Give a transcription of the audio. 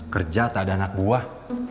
kerja tak ada anak buah